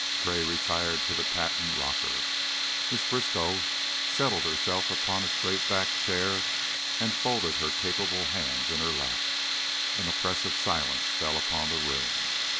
Gray retired to the patent rocker, Miss Briskow settled herself upon a straight backed chair and folded her capable hands in her lap; an oppressive silence fell upon the room.